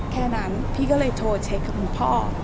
แค่นั้นพี่ก็เลยโทรเช็คกับคุณพ่อ